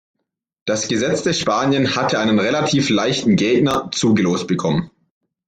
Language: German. Das gesetzte Spanien hatte einen relativ leichten Gegner zugelost bekommen.